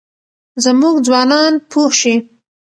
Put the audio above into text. زموږ ځوانان پوه شي.